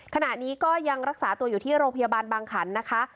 ขณะนี้ก็ยังรักษาตัวอยู่ที่โรงพยาบาลบางขันนะคะ